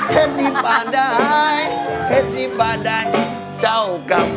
เทพนี้บ้านได้เทพนี้บ้านได้เจ้ากับ